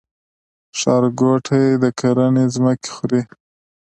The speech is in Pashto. ښارګوټي د کرنې ځمکې خوري؟